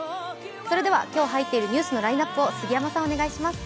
それでは今日入っているニュースのラインナップを杉山さんお願いします。